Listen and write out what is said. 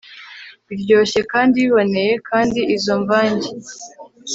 biryoshye kandi biboneye kandi izo mvange